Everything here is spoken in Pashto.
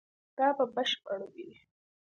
دا به بشپړ وي